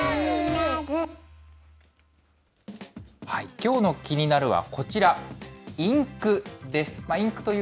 きょうのキニナル！はこちら、インクです。